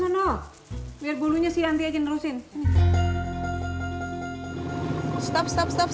soalnya baru sekali ini